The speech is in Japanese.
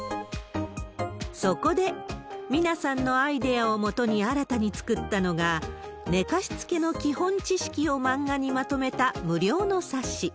そこで、皆さんのアイデアをもとに新たに作ったのが、寝かしつけの基本知識を漫画にまとめた無料の冊子。